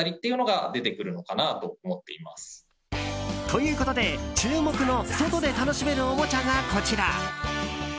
ということで、注目の外で楽しめるおもちゃがこちら。